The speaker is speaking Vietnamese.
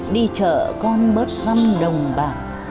đi chợ con bớt răm đồng bảng